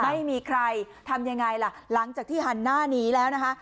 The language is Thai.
ไม่มีใครทำยังไงล่ะหลังจากที่หันหน้าหนีแล้วนะคะ